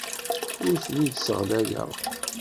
Ur ten-id-sseɣlayeɣ.